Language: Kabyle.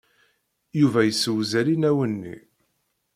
Yuba yessewzel inaw-nni.